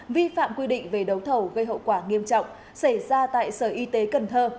vi phạm quy định về đấu thầu gây hậu quả nghiêm trọng xảy ra tại sở y tế cần thơ